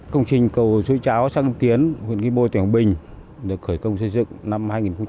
công trình cầu sưu tráo săn tiến huyện ghi bôi tỉnh hồng bình được khởi công xây dựng năm hai nghìn một mươi năm